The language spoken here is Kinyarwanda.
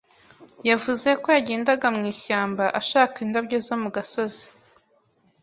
Yavuze ko yagendaga mu ishyamba, ashaka indabyo zo mu gasozi.